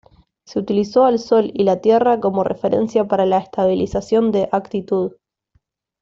Se utilizó al Sol y la Tierra como referencia para la estabilización de actitud.